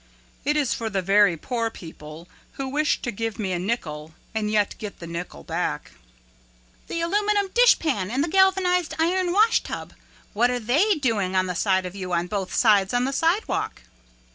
It is for the very poor people who wish to give me a nickel and yet get the nickel back." "The aluminum dishpan and the galvanized iron washtub what are they doing by the side of you on both sides on the sidewalk?"